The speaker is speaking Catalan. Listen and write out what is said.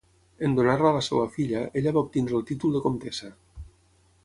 En donar-la a la seva filla, ella va obtenir el títol de comtessa.